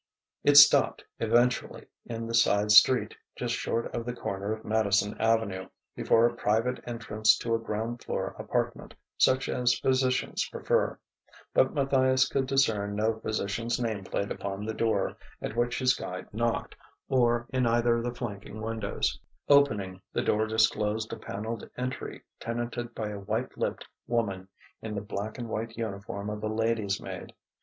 It stopped, eventually, in the side street, just short of the corner of Madison Avenue, before a private entrance to a ground floor apartment, such as physicians prefer. But Matthias could discern no physician's name plate upon the door at which his guide knocked, or in either of the flanking windows. Opening, the door disclosed a panelled entry tenanted by a white lipped woman in the black and white uniform of a lady's maid.